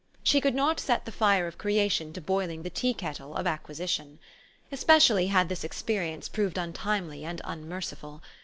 She could not set the fire of creation to boiling the tea kettle of acquisition. Especially had this experience proved untimely and unmerciful.